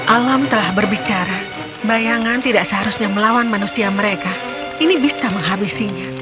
alam telah berbicara bayangan tidak seharusnya melawan manusia mereka ini bisa menghabisinya